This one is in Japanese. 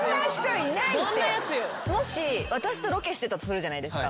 もし私とロケしてたとするじゃないですか。